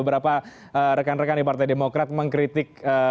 beberapa rekan rekan di partai demokrat mengkritik